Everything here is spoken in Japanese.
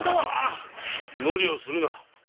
無理をするな。